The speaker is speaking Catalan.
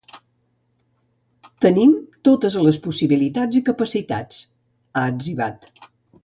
Tenim totes les possibilitats i capacitats, ha etzibat.